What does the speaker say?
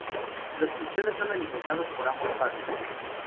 Los pichones son alimentados por ambos padres.